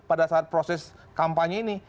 pada saat proses kampanye ini